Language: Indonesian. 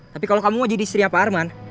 tapi kalo kamu mau jadi istri pak arman